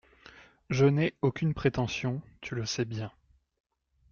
Je n'ai aucune prétention, tu le sais bien.